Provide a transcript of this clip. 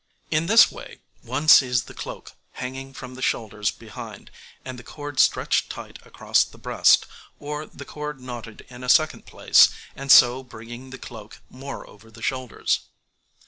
In this way one sees the cloak hanging from the shoulders behind, and the cord stretched tight across the breast, or the cord knotted in a second place, and so bringing the cloak more over the shoulders.